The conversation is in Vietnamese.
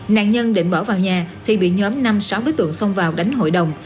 nạn nhân định bỏ vào nhà thì bị nhóm năm sáu đối tượng xông vào đánh hội đồng